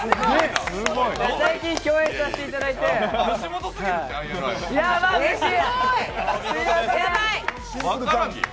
最近、共演させていただいてうれしい！